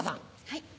はい。